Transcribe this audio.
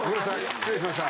失礼しました。